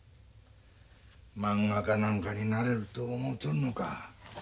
まんが家なんかになれると思うとるのか。